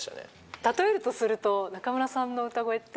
例えるとすると、中村さんの歌声って。